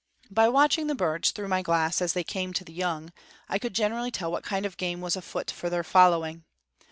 By watching the birds through my glass as they came to the young, I could generally tell what kind of game was afoot for their following.